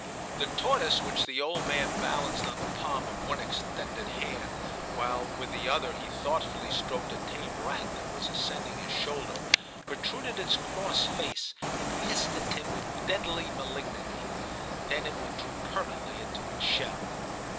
* The tortoise which the old man balanced on the palm of one extended hand, while with the other he thoughtfully stroked a tame rat I04 TIM CHAP. that was ascending his shoulder, protruded its cross face and hissed at Tim with deadly malignity, then it withdrew permanently into its shell.